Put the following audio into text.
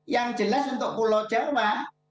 yang jelas untuk pulau jawa